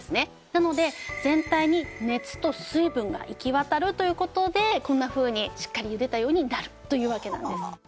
なので全体に熱と水分が行き渡るという事でこんなふうにしっかりゆでたようになるというわけなんです。